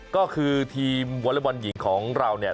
ก็คือทีมวอเล็กบอลหญิงของเราเนี่ย